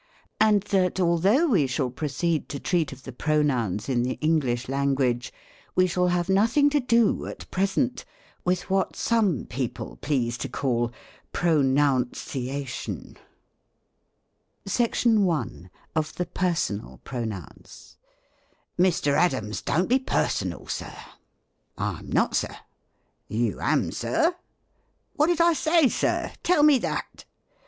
And that, although we shall proceed to treat of the pronouns in the English language, we shall have ncth ing to do, at present, with what some people please to call pronoun czai«07i. 43 THE COMIC ENGLISH GRAMMAR. SECTION [. OF THE PERSONAL PRONOUNS. " Mr. Addams, don't be personal, Sir !"" I'm not, Sir." "You am. Sir !"" What did I say, Sir? — tell me that."